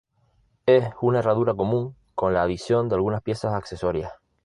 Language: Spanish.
Es una herradura común con la adición de algunas piezas accesorias.